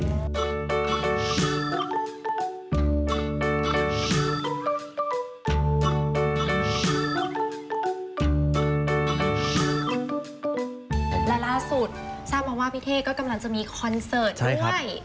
และล่าสุดทราบมาว่าพี่เท่ก็กำลังจะมีคอนเสิร์ตด้วย